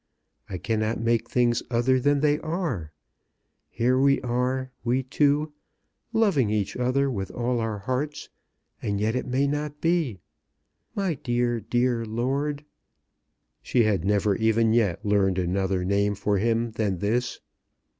I cannot make things other than they are. Here we are, we two, loving each other with all our hearts, and yet it may not be. My dear, dear lord!" She had never even yet learned another name for him than this.